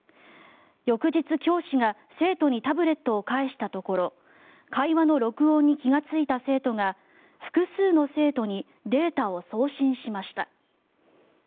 翌日、教師が生徒にタブレットを返したところ会話の録音に気がついた生徒が複数の生徒にデータを送信しました。